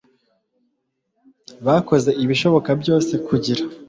bakoze ibishoboka byose kugira